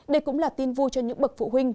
đây cũng là tin vui cho những bậc phụ huynh